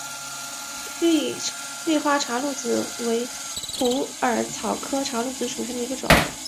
绿花茶藨子为虎耳草科茶藨子属下的一个种。